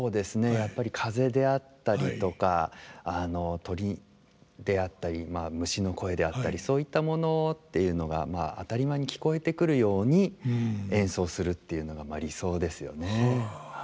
やっぱり風であったりとか鳥であったり虫の声であったりそういったものっていうのが当たり前に聞こえてくるように演奏するっていうのがまあ理想ですよね。